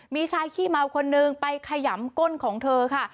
มีชายขี้เมาคนนึงไปขยำก้นของเธอค่ะ